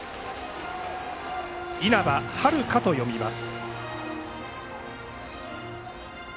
稲葉玄と読みます。